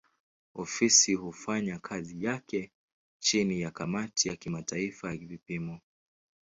Ofisi hufanya kazi yake chini ya kamati ya kimataifa ya vipimo.